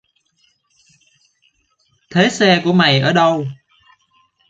thế xe của mày để đâu